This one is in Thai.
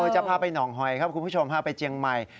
จะพาไปหนองหอยครับคุณผู้ชมพาไปเจียงใหม่